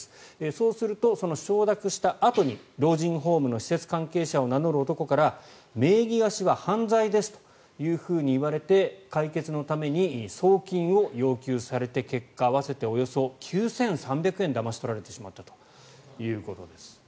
そうすると、その承諾したあとに老人ホームの施設関係者を名乗る男から名義貸しは犯罪ですというふうに言われて解決のために送金を要求されて結果合わせておよそ９３００万円だまし取られたということです。